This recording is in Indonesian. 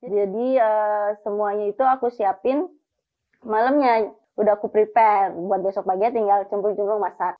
jadi semuanya itu aku siapin malamnya udah aku prepare buat besok pagi tinggal cembung cembung masak